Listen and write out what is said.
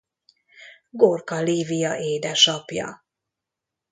Gorka Lívia édesapja.